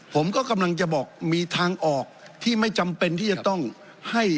ผมก็กำลังจะบอกมีทางออกที่ไม่จำเป็นที่จะต้องให้